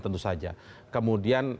tentu saja kemudian